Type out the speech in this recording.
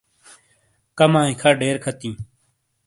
کَمائی کھہ ڈیر کھاتِیں۔